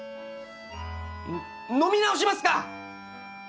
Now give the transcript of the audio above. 飲み直しますか！